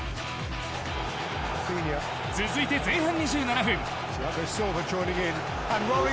続いて前半２７分。